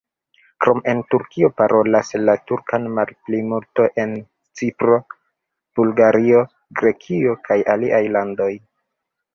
Krom en Turkio, parolas la turkan malplimultoj en Cipro, Bulgario, Grekio kaj aliaj landoj.